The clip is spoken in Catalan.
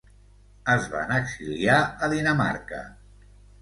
Es van exiliar a Dinamarca.